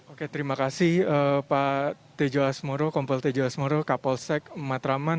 oke terima kasih pak tejo asmoro kompol tejo asmoro kapolsek matraman